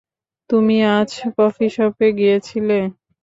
তুমি আজ কফিশপে গিয়েছিলে।